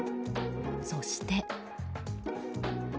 そして。